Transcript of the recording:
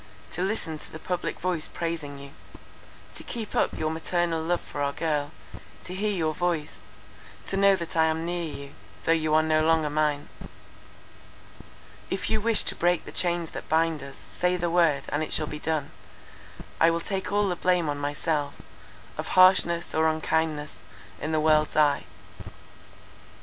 to listen to the public voice praising you; to keep up your paternal love for our girl; to hear your voice; to know that I am near you, though you are no longer mine. "If you wish to break the chains that bind us, say the word, and it shall be done—I will take all the blame on myself, of harshness or unkindness, in the world's eye.